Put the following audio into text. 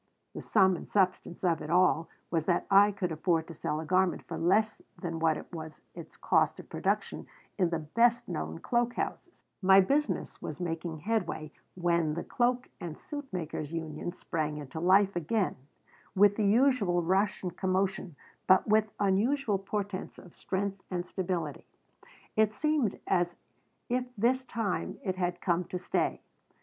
The sum and substance of it all was that I could afford to sell a garment for less than what was its cost of production in the best known cloak houses My business was making headway when the Cloak and Suit Makers' Union sprang into life again, with the usual rush and commotion, but with unusual portents of strength and stability. It seemed as if this time it had come to stay.